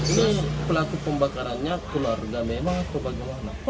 ini pelaku pembakarannya keluarga memang atau bagaimana